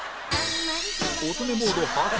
乙女モード発動！